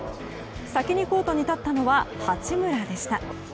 先にコートに立ったのは八村でした。